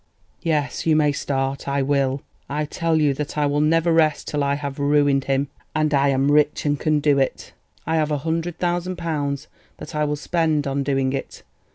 "Yes, you may start—I will. I tell you that I will never rest till I have ruined him, and I am rich and can do it. I have a hundred thousand pounds, that I will spend on doing it.